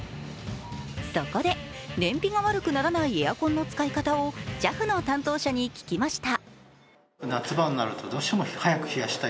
そこで、燃費が悪くならないエアコンの使い方をＪＡＦの担当者に聞きました。